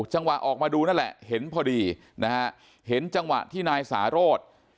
จังหวะออกมาดูนั่นแหละเห็นพอดีนะฮะเห็นจังหวะที่นายสาโรธ